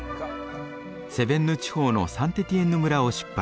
セヴェンヌ地方のサンテティエンヌ村を出発。